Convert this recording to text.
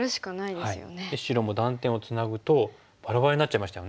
白も断点をつなぐとバラバラになっちゃいましたよね。